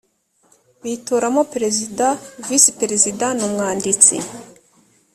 bitoramo perezida visi perezida n umwanditsi